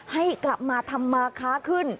ให้กลับมาทำมาค้าขึ้น